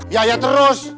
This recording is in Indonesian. ya ya terus